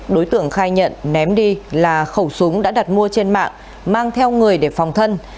đối tượng khai nhận ném đi là khẩu súng đã đặt mua trên mạng mang theo người để phòng thân